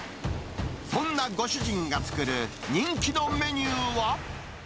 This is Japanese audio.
そんなご主人が作る、人気のメニューは。